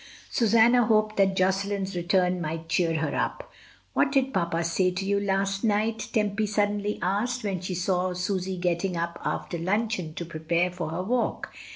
Susanna hoped that Josselin's return might cheer her up. "What did papa say to you last night?" Tempy suddenly asked, when she saw Susy getting up after luncheon to prepare for her walk.